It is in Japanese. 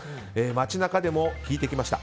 街中でも聞いてきました。